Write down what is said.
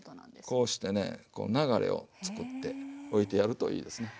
こうしてねこう流れを作って置いてやるといいですね。